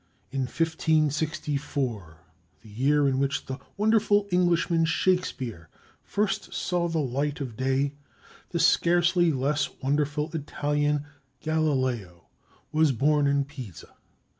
In 1564, the year in which the wonderful Englishman, Shakespeare, first saw the light of day, the scarcely less wonderful Italian, Galileo, was born in Pisa.